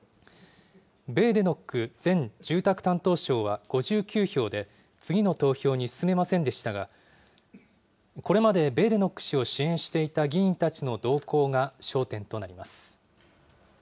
ベーデノック前住宅担当相は５９票で、次の投票に進めませんでしたが、これまでベーデノック氏を支援していた議員たちの動向が焦点となります。